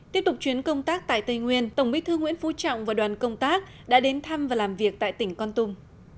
tiếp tục chuyến công tác tại tây nguyên tổng bí thư nguyễn phú trọng và đoàn công tác đã đến thăm và làm việc tại tỉnh con tum